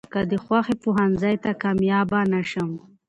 ،که د خوښې پوهنځۍ ته کاميابه نشم.